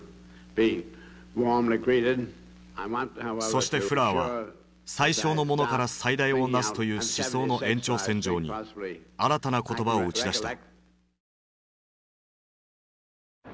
そしてフラーは最小のものから最大をなすという思想の延長線上に新たな言葉を打ち出した。